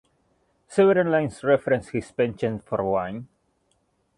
Several lines reference his penchant for wine.